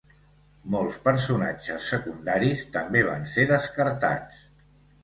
Molts personatges secundaris també van ser descartats.